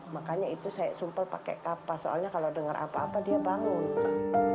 makanya itu saya sumpel pakai kapas soalnya kalau dengar apa apa dia bangun